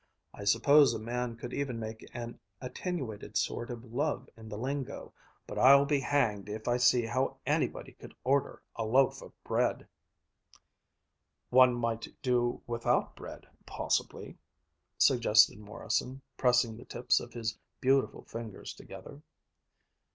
I suppose a man could even make an attenuated sort of love in the lingo, but I'll be hanged if I see how anybody could order a loaf of bread," "One might do without bread, possibly?" suggested Morrison, pressing the tips of his beautiful fingers together.